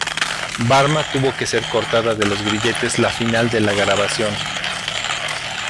Varma tuvo que ser cortada de los grilletes la final de la grabación.